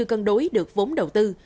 cân đối được vốn đầu tư